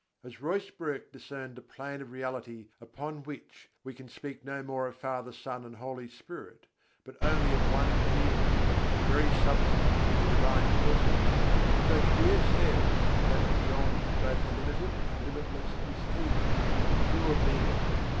As Ruysbroeck discerned a plane of reality upon which "we can speak no more of Father, Son, and Holy Spirit, but only of One Being, the very substance of the Divine Persons"; so Kabîr says that "beyond both the limited and the limitless is He, the Pure Being."